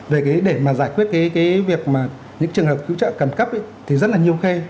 về cái để mà giải quyết cái việc mà những trường hợp cứu trợ cẩm cấp thì rất là nhiều kê